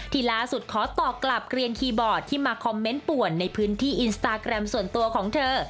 ที่ล่าสุดขอตอบกลับเกรียนคีย์บอร์ดที่มาคอมเมนต์ป่วนในพื้นที่อินสตาแกรมส่วนตัวของเธอ